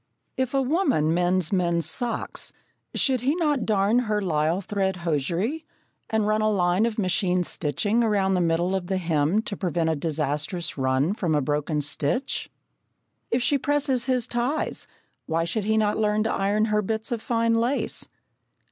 If a woman mends men's socks, should he not darn her lisle thread hosiery, and run a line of machine stitching around the middle of the hem to prevent a disastrous run from a broken stitch? If she presses his ties, why should he not learn to iron her bits of fine lace?